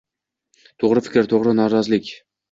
To'g'ri fikr, to'g'ri norozilik